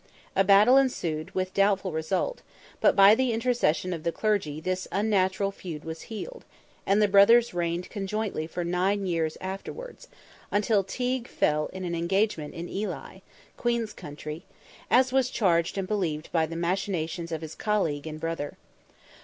A battle ensued, with doubtful result, but by the intercession of the Clergy this unnatural feud was healed, and the brothers reigned conjointly for nine years afterwards, until Teigue fell in an engagement in Ely (Queen's County), as was charged and believed, by the machinations of his colleague and brother.